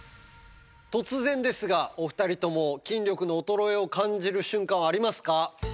突然ですがお二人とも筋力の衰えを感じる瞬間はありますか？